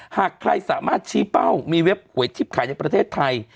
หากใครสามารถชี้เป้ามีเว็บหวยทิพย์ขายในประเทศไทย